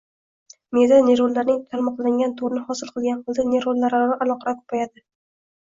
miyada neyronlarning tarmoqlangan to‘rni hosil qilgan holda neyronlararo aloqalar ko‘payadi.